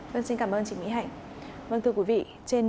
vâng xin cảm ơn chị mỹ hạnh